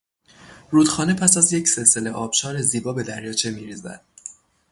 رودخانه پس از یک سلسله آبشار زیبا به دریاچه میریزد.